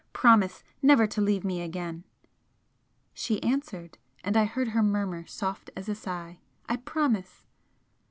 promise never to leave me again!" She answered and I heard her murmur, soft as a sigh "I promise!"